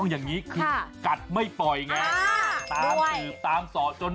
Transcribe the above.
ประคานคาต้องกรรมยังกกัดไปปล่อยไงตามสื่อตามส่องรู้ความจริง